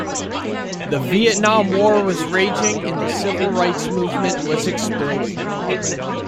The Vietnam War was raging and the Civil Rights Movement was exploding.